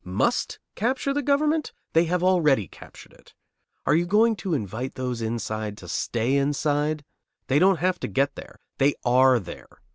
Must capture the government? They have already captured it. Are you going to invite those inside to stay inside? They don't have to get there. They are there.